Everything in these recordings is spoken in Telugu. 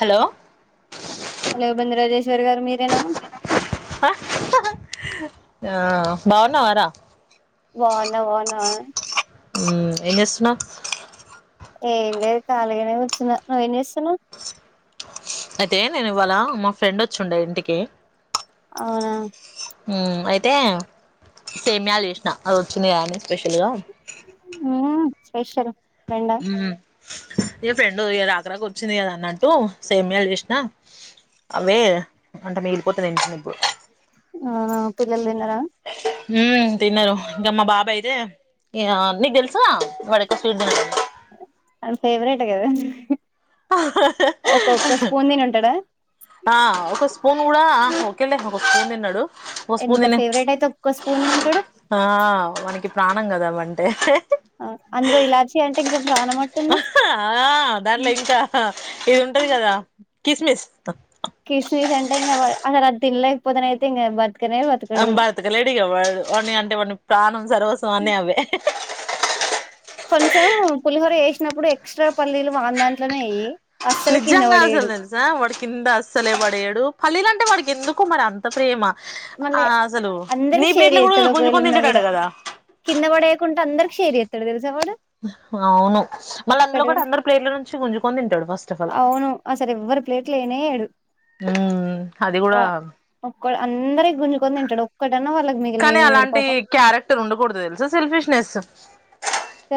హలో హలో బందరాజేశ్వరి గారు మీరేనా ఆ బాగున్నవా రా బాన్నా బాన్నావా ఉ ఏం చేస్తున్నావ్ ఏం లేదు కాలీగానే కూర్చున్నా నువ్వేం చేస్తున్నావు అయితే నేను ఇవాళ మా ఫ్రెండ్ వచ్చిండే ఇంటికి అవునా అయితే సేమ్యాలు చేసినా అది వచ్చింది అని స్పెషల్ గా ఉమ్ స్పెషల్ రెండా ఉ ఏ ఫ్రెండు రాక రాక వచ్చింది కదా అన్నట్టు సేమ్యాలు చేసిన అమే అంటే మిగిలిపోతది ఇంటి నుప్పు ఆ పిల్లలు తిన్నారా హు తిన్నారు ఇంకా మా బాబా అయితే నీకు తెలుసా వాడక్క స్వీడ్ అవి ఫేవరెట్ కదా ఒక్కొక్క స్పూన్ తిని ఉంటాడా ఆ ఒక పోను కూడా [unintelligible] తిన్నాడు ఒక ఎంత ఫేవరెట్ అయితే ఒక్కో స్పూన్ తినింటాడు ఆ వానికి ప్రాణం కదా అవంటే అందులో ఇలాచి అంటే ఇంకా ప్రాణం అట్టుంది ఆ దాంట్లో ఇంకా ఇది ఉంటది కదా కిస్మిస్ క్రిస్మిస్ అంటే ఇంగ అసలది తినలేకపోతేన అయితే ఇంగ బతకలేడగా వాడు వాని అంటే వాడిని ప్రాణం సర్వసం అన్న అవే కొంచెం పులిహోర జేసినప్పుడు ఎక్స్ట్రా పల్లీలు వాని దాంట్లోనే వెయ్యి నిజంగా అస్సలదేల్సా వాడి కింద అస్సలే పడేయ పల్లీల అంటే వానికి ఎందుకు మరి అంత ప్రేమ ఆ మళ్ళీ అసలు అందరి నీ షేర ప్లేట్లు కూడా డు ఒకవేళు గుంజుకొని ఉన్నా తింటాడట కూడా కదా కింద పడేయకుండా అందరు షేర్ జేత్తాడు తెల్స్ అవును మళ్ళీ అందులో ఒక్కటి గూడా కూడా అందరు ప్లేట్ల నుంచి గుంజుకొని తింటాడు ఫస్ట్ ఆఫ్ ఆల్ అసరెవ్వర ప్లేట్ల యెయినేయడు ఉ అది కూడా ఒక్క అందరి గుంజుకొని తింటాడు ఒక్కటన్నా వాళ్ళకి కానీ మిగిలియనీయడు అలాంటి పాపం క్యారెక్టర్ ఉండకూడదు తెలసా సెల్ఫిష్నెస్ ఆ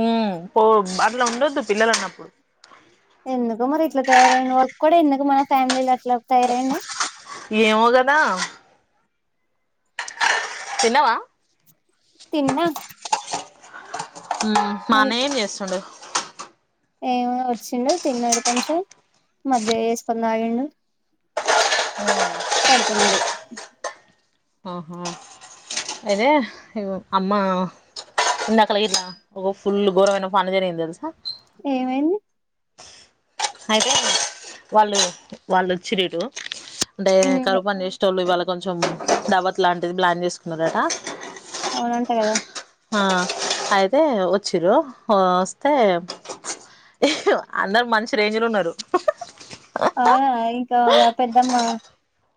ఉ పో అట్లా ఉండొద్దు పిల్లలన్నప్పుడు ఎందుకో మరి ఇట్ల తయారయిండు వాళ్ళకి కూడా ఎందుకు మన ఫ్యామిలీలో అట్లా తయారయ్యండు ఏమో గదా తిన్నవా తిన్నా ఆ మాన్నయ్యేం జేస్తుండు ఏమ వచ్చిండు తిన్నాడు కొంచెం తాగిండు పడుకున్నడు ఆహా ఇదే ఇగో అమ్మ నిన్నట్లా పోయిర్రా ఒ ఫుల్ ఘోరమైన పని జరిగింది తెలుసా ఏమైంది అయితే వాళ్ళు వాల్లొచ్చిచ్చి రిరు అంటే ఉమ్ కరువుపని జేసేటోళ్ళు ఇవాళ కొంచెం దావత్ లాంటిది ప్లాన్ జేసుకున్నరట అవునంట గదా ఆ అయితే వచ్చిర్రు వస్తే అందరు మంచి రేంజ్ లో ఉన్నారు ఇంకాగా పెద్దమ్మ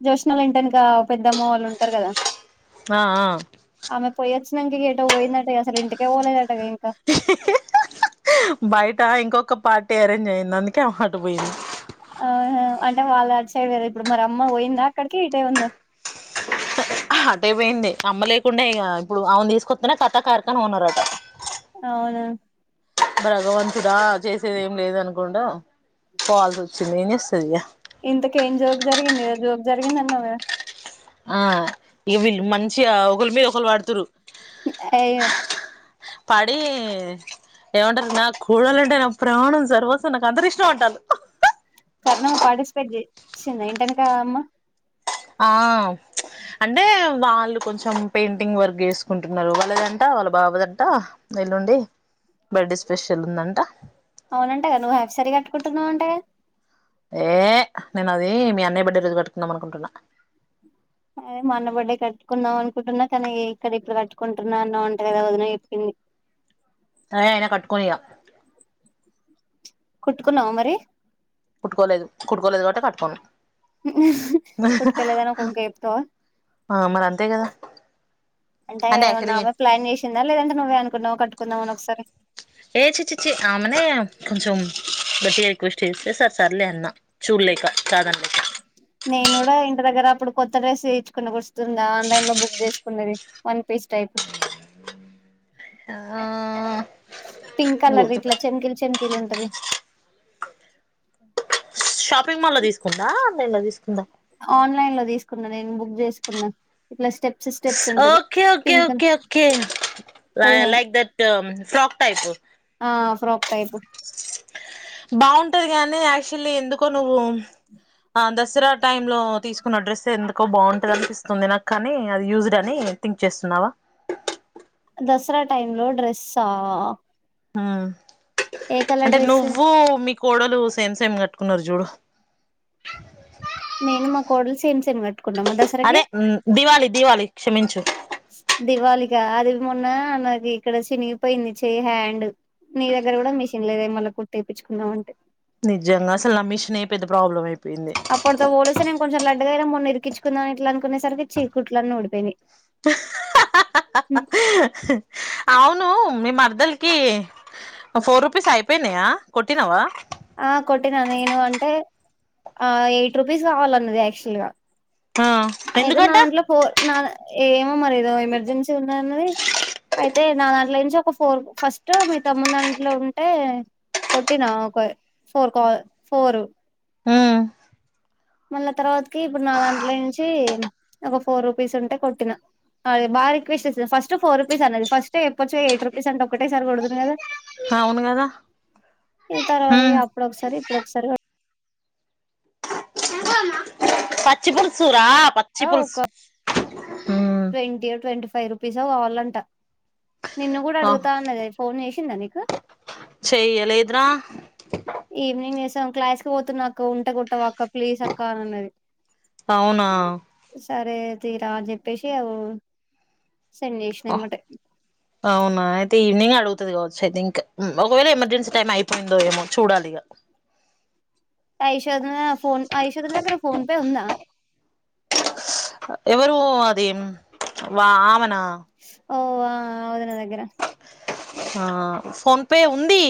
జ్యోస్నల్ల ఇంటెనక పెద్దమ్మ వాళ్ళు ఉంటారు కదా ఆ ఆ క గెటో పోయిందట అసలింటికే పోలేదటా బయట ఇంకొక ప టేరం జే యింది అందుకే అ హట పోయింది ఆ అంటే వాళ్ళు అడిచేయద ఇప్పుడు మరి అమ్మ పోయిందా అక్కడికి ఇటే ఉందా అటయిపోయింది అమ్మ లేకుండా ఇక ఇప్పుడు ఆవును తీసుకొస్తనే కథా కార్కన్ ఉన్నారుారట అవును భగవంతుడా చేసేది ఏం లేద అనుకుండా పోవాల్సి వచ్చింది ఏం చేస్తుంది ఇగ ఇంతకేం జోక్ జరిగిందిదో జోక్ జరిగిందన్నావ ఆ ఇ వీళ్ళు మంచిగ ఒకళ మీద ఒకల్లు పడుతురు అయ పడి ఏమంటారు నా కోడలంటే నా ప్రాణం సర్వసం నాకు అతనిష్టం అంట ంటదు కరణమ్మ పార్టిసిపేట్ చేచ్చింద ఏంటని కాదమ్మా ఆ అంటే వాళ్ళు కొంచెం పెయింటింగ్ వర్క్ చేసుకుంటున్నారు వాళ్ళదంట వాళ్ళ బాబుదంటా ఎల్లుండి బర్త్డే స్పెషల్ ఉందంట అవునంటగా నువ్వు హాఫ్ సరీ కట్టుకుంటున్నావు అంటగా ఏ నేను అది మీ అన్నయ్య బడ్డే రోజు కట్టుకుందాం అనుకుంటున్నా అదే మా అన్న బర్డే కట్టుకుందాం అనుకుంటున్నా కానీ ఇక్కడ ఇక్కడ కట్టుకుంటున్నా అన్న ఉంటు కదా వదన చెప్పింది ఆ హే అయిన కట్టుకుని ఇగా కుట్టుకున్నవా మరి కుట్టుకోలేదు కుట్టుకోలేదు కాబట్టి కట్టుకోను కుట్టుకోలేదని ఒక వంక చెప్తావా ఆ మరీ అంతే కదా అంటే ఏమన్నామె ప్లాన్ చేసిందా లేదంటే నువ్వే అనుకున్నావు కట్టుకుందామని ఒకసారి ఏ చీ చిచ్చి ఆమెనే కొంచెం గట్టిగా రిక్వెస్ట్ చేసే సార్ సర్లే అన్న చూర్ లేక్క చాదన్ లేక్క గ్గర అప్పుడు కొత్త డ్రెస్ తీచ్చుకున గుర్తు ఉందా ఆన్లైన్ లో బుక్ చేస్త న్నది వన్ పీస్ టైప్ ఆ పింక్ కలర్ గుర్తు ఇట్లా చంకిల్ చంకి లుతాదీ షాపింగ్ మాల్ తీసుకుందా ఆన్లైన్ లో తీసుకుందా ఆన్లైన్ లో తీసుకున్న నేను బుక్ చేసుకున్నా ఇట్లా step okay okay okay okay full hand like that frock type ఆ ఫ్రక్ టైపు బాగుంటది గాని యాక్చువల్లీ ఎందుకో నువ్వు ఆ దసరా టైమ్ లో తీసుకున్న డ్రెస్ ఎందుకో బాగుంటది అనిపిస్తుంది నాకు కానీ అది యూస్డ్ అని ఎ థింక్ చేస్తున్నావా దసరా టైం లో డ్రెస్సా హ ఏ కలర్ అంటే డ్రెస్ నువ్వు మీ కోడలు సేమ్ సేమ్ కట్టుకో కున్నారు చూడు నేను మా కోడలు సేమ్ సేమ్ క్ అదే దివాళి దివాళి క్షమించు దివాలిక అది మొన్న నాది ఇక్కడ చినిగిపోయింది చే హ్యాండ్ నీ దగ్గర కూడా మెషన్ లేద మళ్ళీ కుట్ట్ ఎపించుకుందాం అంటేయ్ నిజంగా అసల నా మెషిన్ పెద్ద ప్రాబ్లం అయ్ అప్పటితో పోలిసి నేను కొంచెం లడ్డగా అయి మొన్న ఇరికిుందాను ఇట్లా అనుకునేసరికి చీకుట్లన్న ఓడిపోయి అవును మీ మరదలకి ఫోర్ రూపీస్ అయిపోయినాయా కొట్టినావా ఆ కొట్టన నేను అంటే ఆ ఎయిట్ రుపీస్ కావాలన్నది యాక్చువల్ గా ఆ అయితే నా ఎందుకంట దాంట్లో పో ఏమో మరి ఏదో ఎమర్జెన్సీ ఉందన్నది అయితే నా దాంట్లో నుంచి ఒక ఫోర్ ఫస్ట్ మీ తమ్ము దాంట్లో ఉంటే కొట్టిన ఒక ఫోర్ ఫోరు ఉమ్ మళ్ళా తర్వాతకి ఇప్పుడు నాలుంటల నుంచి ఒక ఫోర్ రూపీస్ ఉంటే కొట్టిన అది బా రిక్వస్ట్స్తాంది ఫస్ట్ ఫోర్ రుపీస్ అన్నది ఫస్ట్ప్పొచ్చ ఎయి రుపీస్ అంట ఒకటేసారి కొడుదును కదా అవును కదా ఇది తర్వాత ఉమ్ అప్పుడ ఒకసారి ఇప్పుడు ఒకసారి పచ్చిపుులుసు రా పచ్చిపుులుసు ఒక ట్వంటీ ట్వంటీ ఫైవ్ రూపీస్ కావాలంట నిన్ను కూడా ఆ అడుగుతా అన్నదే ఫోన్ చేసిందా నీకు చెయ్యలేదు రా ఈవినింగ్ చేసాం క్లాస్ క పోతున్నా అక్క ఉంట కొట్టావా అక్క ప్లీజ్ అక్క అ అన్నది అవునా సరే తీరా అని చెప్పేసి అవ సెండ్ చేసిన ఎమ్మటే అవునా అయితే ఈవినింగ్ అడుగుతది కావచ్చు ఐ తింక్ ఒకవేళ ఎమర్జెన్సీ టైం అయిపోయిందో ఏమో చూడాలి ఇగ యశోద ఫోన్ అ యశోద దగ్గర ఫోన్ పే ఉందా ఎవరు అది వా ఆమనా ఓ అ వుంది నా దగ్గర ఆ ఫోన్ పే ఉంది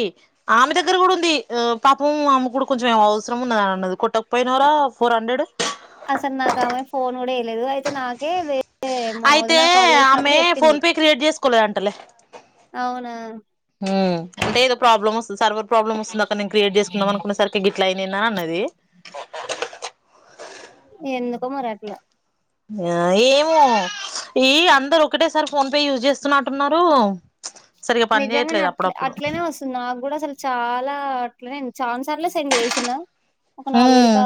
ఆమె దగ్గర కూడా ఉంది ఆ పాపము ఆమెకు కూడా కొంచెం అవసరం ఉన్నది అన్నది కొట్టక పోయినవురా ఫోర్ హండ్రెడ్ అసలు నాకు ఆమె ఫోన్ కూడా చేయలేదు అయితే నాకే వే అయితే ఆమె ఫోన్ పే క్రియేట్ చేసుకోలేదు అంటలే అవునా మ్ అంటే ఏదో ప్రాబ్లమ్ వ స్తుంది సర్వర్ ప్రాబ్లమ్ వస్తుంది అక్క నేను క్రియేట్ చేసుకుందాం అనుకునే సరికి గిట్లా అయింది ఏంది అని అన్నది ఎందుకో మరి అట్లా ఆ ఏమో ఈ అందరు ఒకటేసారి ఫోన్ పే యూజ్ చేస్తున్నటున్నరు నిజంగానే అట్ల అట్లనే వస్తుంది నాకు కూడా అసలు చాలా అట్లనే చాన సా ర్లు సెండ్ చేసిన ఒక నాలుగు ఐదు కా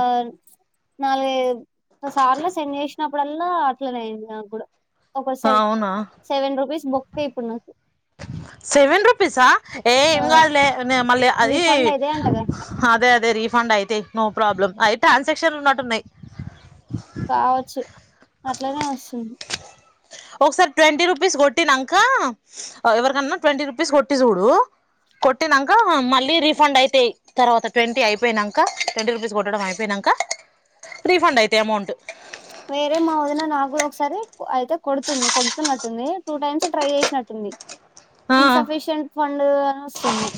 నాలుగు ఐదు సార్ల సెండ్ చేసి నప్పుడల్ల అట్లనే అయింది నాకు కూడా ఒక సెవె అవునా సెవెన్ రూపీస్ బొ క్క ఇప్పుడు నాకు సెవెన్ రుపీసా ఏ ఆ ఎం కాదులే నే ను మళ్లీ అది రిఫండ్ అయితాయి అంట కదా అదే అదే రీఫండ్ అయితాయి నో ప్రాబ్లం అవి ట్రాన్సాక్షన్ల ఉన్నట్టు ఉన్నాయి కావచ్చు అట్లనే వస్తుంది ఒకసారి ట్వంటీ రూపీస్ కొట్టినంక ఎవరికన్నా ట్వంటీ రూపీస్ కొట్టి చూడు కొట్టినంక మళ్లీ రీఫండ్ అయితాయి తర్వాత ట్వంటీ అయిపోయినంక ట్వంటీ రూపీస్ కొట్టడం అయిపోయినంక క రీఫండ్ అయితయి అమౌంట్ వేరే మా వదిన నాకు కూడా ఒకసారి అయితే కొడుతుంది కొడుతున్నట్టుంది టూ టైమ్స్ ట్రై చేసినట్టుంది ఆ ఇన్సఫిషియంట్ ఫండ్ అని వస్తుంది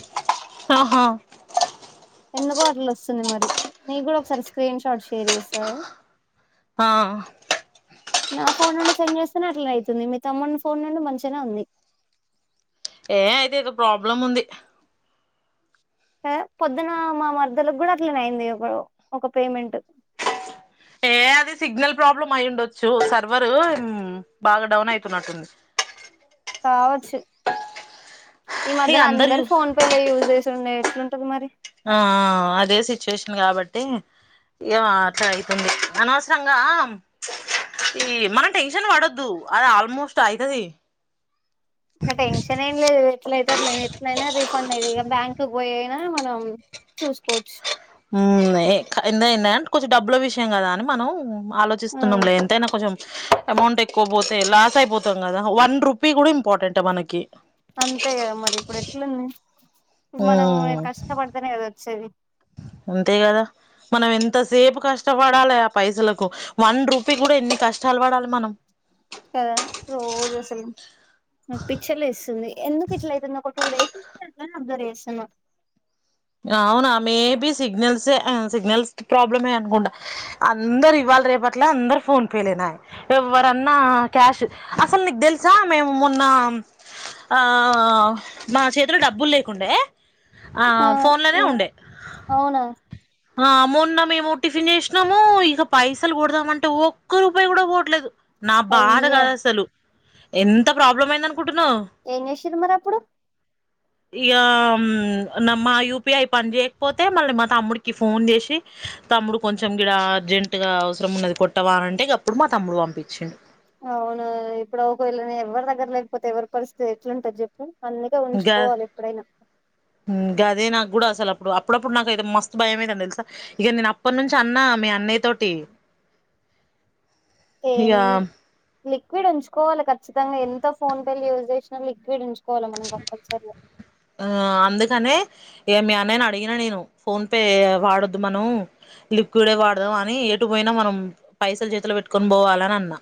ఆహా ఎందుకో అట్ల వస్తుంది మరి నీకు కూడా ఒకసారి స్క్రీన్ షాట్ షేర్ చేస్తా ఆ నా ఫోన్ నుండి సెండ్ చేస్తేనే అట్ల అయితుంది మీ తమ్ముడి ఫోన్ నుండి మంచిగానే ఉంది ఏ అయితే ఏదో ప్రాబ్లం ఉంది ఎ పొద్దున మా మర్దలుకు కూడా అట్లనే అయింది ఒక ఒక పేమెంట్ ఏ అది సిగ్నల్ ప్రాబ్లమ్ అయి ఉండొచ్చు సర్వరు బాగా డౌన్ అయితున్నట్టుంది కావచ్చు ఈ మధ్యల అందరు ఫోన్ పే లే యూజ్ చేసి ఉండే ఎట్లుంటది మరి ఆ ఆ అదే సిచ్యుయేషన్ కాబట్టి ఇగ అట్ల అయితుంది అనవసరంగ ఈ మనం టెన్షన్ పడొద్దు అది ఆల్మోస్ట్ అయితది ఇంగ టెన్షన్ ఏం లేదు ఎట్లయితే అట్లనే ఎట్లయినా రిఫండ్ అయితది ఇక బ్యాంక్ పోయి అయినా మనం చూసుకోవచ్చు మ్ ఏంతైన కొంచెం డబ్బుల విషయం కదా అని మనం ఆ ఆలోచిస్తున్నాం లే ఎంతైనా కొంచెం అమౌంట్ ఎక్కువ పోతే లాస్ అయిపోతాం కదా వన్ రూపీ కూడా ఇంపార్టెంటే మనకి అంతే కదా మరి ఇప్పుడు ఎట్లుంది మనం ఉమ్ కష్టపడితేనే కదా వచ్చేది అంతే కదా మనం ఎంతసేపు కష్టపడాలే ఆ పైసలకు వన్ రూపీ కూడా ఎన్ని కష్టాలు పడాలే మనం కదా రోజు అసలుకు నాకు పీచ్ లేస్తుంది ఎందుకు ఇట్ల అవుతుంది ఒక టూ డేస్ నుండి అబ్జర్వ్ చేస్తున్న అవునా మేబి సిగ్నల్స్ ఏ సిగ్నల్స్ ప్రాబ్లమే అనుకుంటా అందరు ఇవా రేపట్ల అందరు ఫోన్ పే లేనా య్ ఎవర అన్నా క్యాష్ అసలు నీకు తెలుసా మేము మొన్ న్నా ఆ మా చేతులో డబ్బులు లేకుండే ఆ ఫోన్లోనే ఏం ఉండే అవునా అ మౌన్న మేము ఒటిఫైన్ చేసినాము ఇక పైసలు పోడదామ అంటే ఒక్క రూపాయి కూడా పోట్లేదు నా బాధ అయ్యో కదా అసలు ఎంత ప్రాబ్లం అయింద అనుకుంట్ ఏం చేసీరు మరి అప్పుడు ఇగ న మ్మా యూపిఐ పని చేయకపోతే మళ్ళీ మా తమ్ముడికి కి ఫోన్ చేసి తమ్ముడు కొంచెం రా అర్జెంట్గా అవసరం ఉన్నది కొట్టవా అంటే ఇగ అప్పుడు మా తమ్ముడు పంపించ్చే అవును ఇప్పుడు ఒక వేళ్ళనే ఎవ్వరి దగ్గర లేకపోతే ఎవరి పరిస్థితి ఎట్లుంట అది చెప్పు అందుకే ఉంచుకోవాలి ఎప్పుడైఅయినా ఇ అదే నాకు కూడా అసలు అప్పుడు అప్పుడు అప్పుడు నాక్ అయితే మస్తు భయం మ్ అయితాంది తెలుసా ఇక నేను అప్పటి నుంచి అన్న మీ అన్నయ్యతో ట్ టి టెన్ లిక్విడ్ ఉంచుకోవాలి కచ్చితంగా ఎంత ఫోన్ పే లు యూజ్ చేసిన లిక్విడ్ ఉంచుకో ఆ అందుకనే ఏ మీ అన్నయ్యని అడిగిన నేను ఫోన్ పే వాడొ వద్దు మనం లిక్విడే వాడదాం అని ఎటు పోయినా మనం పైసలు చేతిలో పెట్టుకొని పోవాల అని అన్నా